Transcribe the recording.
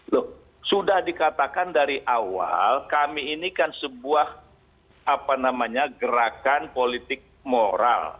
loh sudah dikatakan dari awal kami ini kan sebuah gerakan politik moral